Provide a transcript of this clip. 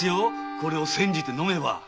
これを煎じて飲めば。